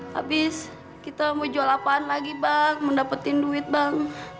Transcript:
habis kita mau jual apaan lagi bang mendapatkan duit bang